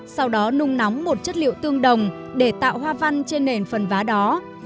sau đó nung nóng một chất liệu tương đồng để tạo hoa văn trên nền phần vá đó